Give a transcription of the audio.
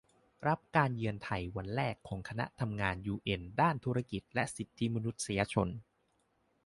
รับการเยือนไทยวันแรกของคณะทำงานยูเอ็นด้านธุรกิจและสิทธิมนุษยชน